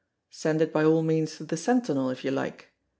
Send it, by all means, to the "Sentinel," if you like.